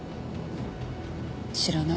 知らない。